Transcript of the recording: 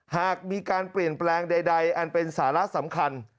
หากมีการเปลี่ยนแปลงใดอันเป็นสาระสำคัญ